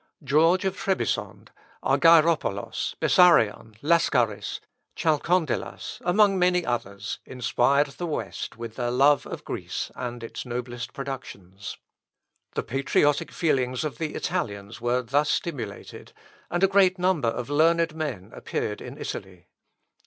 George of Trebisond, Argyropolos, Bessarion, Lascaris, Chalcondylas, and many others, inspired the West with their love of Greece and its noblest productions. The patriotic feelings of the Italians were thus stimulated, and a great number of learned men appeared in Italy.